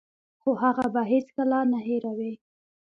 خو هغه بد هېڅکله هم نه هیروي.